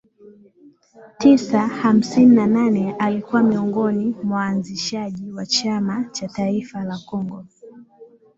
tisa hamsini na nane alikuwa miongoni mwa waanzishaji wa Chama cha Taifa la Kongo